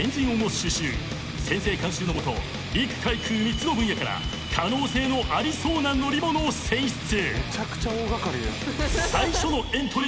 先生監修の下陸・海・空３つの分野から可能性のありそうな乗り物を選出。